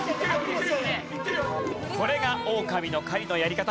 これがオオカミの狩りのやり方。